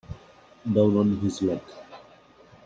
Down on his luck.